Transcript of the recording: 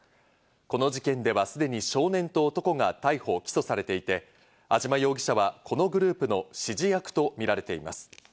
この事件ではすでに少年と男が逮捕・起訴されていて、安島容疑者はこのグループの指示役とみられています。